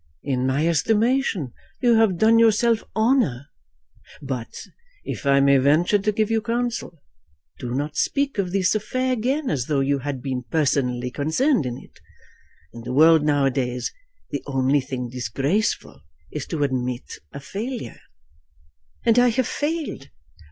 "In my estimation you have done yourself honour. But if I may venture to give you counsel, do not speak of this affair again as though you had been personally concerned in it. In the world now a days the only thing disgraceful is to admit a failure." "And I have failed."